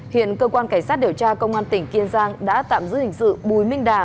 hiện cơ quan cảnh sát điều tra công an tỉnh kiên giang đã tạm giữ hình sự bùi minh đà